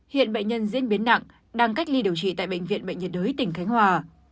hiện bệnh nhân diễn biến nặng đang cách ly điều trị tại bệnh viện bệnh nhiệt đới tỉnh khánh hòa